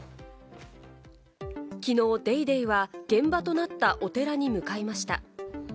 きのう『ＤａｙＤａｙ．』は、現場となったお寺に向かいました。